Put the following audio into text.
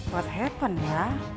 what happened ya